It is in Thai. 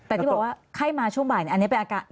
แต่ที่บอกว่าไข้มาช่วงบ่ายอันนี้เป็นอาการ